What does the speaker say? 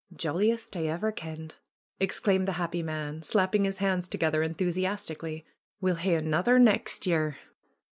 ^^Jolliest I ever kenned!" exclaimed the happy man, slapping his hands together enthusiastically. ^'We'll hae anither nex' year."